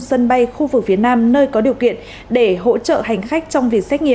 tại khu vực phía nam nơi có điều kiện để hỗ trợ hành khách trong việc xét nghiệm